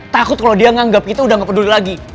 takut kalo dia nganggep kita udah gak peduli lagi